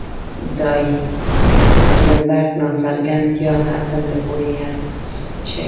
د هایزنبرګ ناڅرګندتیا اصل د پوهې حد ښيي.